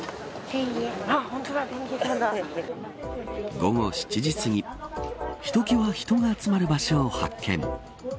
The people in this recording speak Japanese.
午後７時すぎひときわ人が集まる場所を発見。